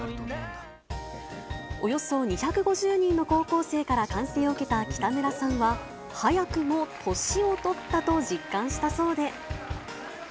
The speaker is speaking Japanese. およそ２５０人の高校生から歓声を受けた北村さんは、早くも年を取ったと実感したそうで。